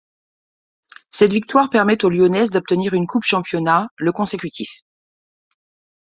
Cette victoire permet aux lyonnaises d'obtenir un Coupe-Championnat, le consécutif.